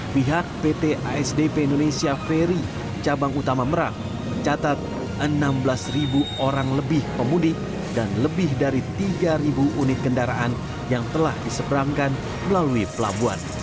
pihak pt asdp indonesia ferry cabang utama merak mencatat enam belas orang lebih pemudik dan lebih dari tiga unit kendaraan yang telah diseberangkan melalui pelabuhan